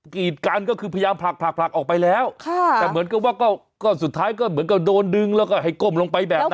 กีดกันก็คือพยายามผลักผลักผลักออกไปแล้วค่ะแต่เหมือนกับว่าก็สุดท้ายก็เหมือนกับโดนดึงแล้วก็ให้ก้มลงไปแบบนั้น